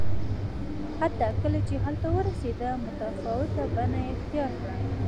حتی کله چې هلته ورسېدل متفاوته بڼه یې اختیار کړه